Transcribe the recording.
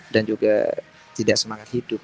dan juga tidak semangat hidup